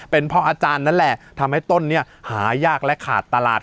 เป็นเพราะอาจารย์นั่นแหละทำให้ต้นนี้หายากและขาดตลาด